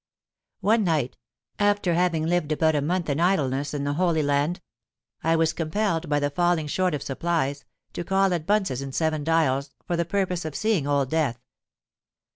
"One night—after having lived about a month in idleness in the Holy Land—I was compelled by the falling short of supplies, to call at Bunce's in Seven Dials, for the purpose of seeing Old Death.